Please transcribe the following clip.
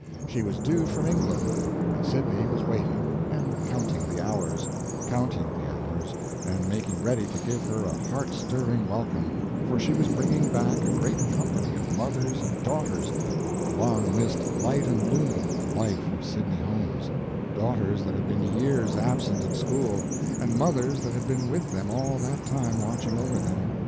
She was due from England, and Sydney was waiting, and counting the hours; counting the hours, and making ready to give her a heart stirring welcome; for she was bringing back a great company of mothers and daughters, the long missed light and bloom of life of Sydney homes; daughters that had been years absent at school, and mothers that had been with them all that time watching over them.